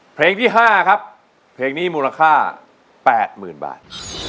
เพลงที่๕ครับเพลงนี้มูลค่า๘๐๐๐บาท